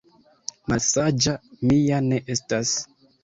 Malsaĝa mi ja ne estas!